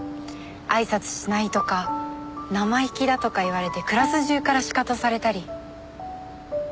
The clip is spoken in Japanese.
あいさつしないとか生意気だとか言われてクラス中からシカトされたり。